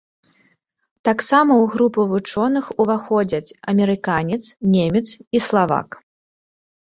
Таксама ў групу вучоных уваходзяць амерыканец, немец і славак.